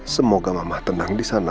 semoga mama tenang di sana